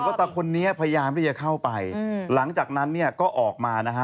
เขากดว่าตัวคนนี้พยายามไม่ได้เข้าไปหลังจากนั้นเนี่ยก็ออกมานะฮะ